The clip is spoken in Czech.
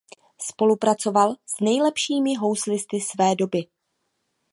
Spolupracoval s nejlepšími houslisty své doby.